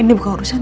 ibu ke coba